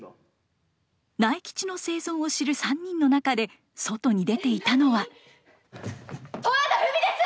苗吉の生存を知る３人の中で外に出ていたのは。とわだフミです。